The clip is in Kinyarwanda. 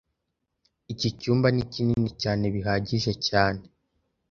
Iki cyumba ni kinini cyane bihagije cyane